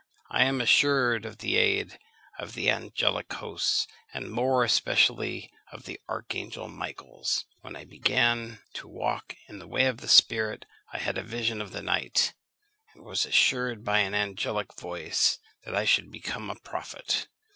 I am assured of the aid of the angelic hosts, and more especially of the archangel Michael's. When I began to walk in the way of the spirit, I had a vision of the night, and was assured by an angelic voice that I should become a prophet.